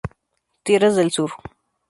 Tierras del sur.